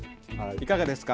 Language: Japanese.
いかがですか？